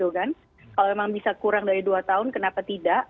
kalau memang bisa kurang dari dua tahun kenapa tidak